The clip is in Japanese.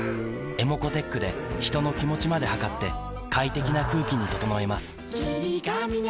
ｅｍｏｃｏーｔｅｃｈで人の気持ちまで測って快適な空気に整えます